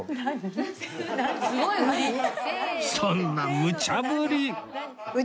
そんなむちゃぶり！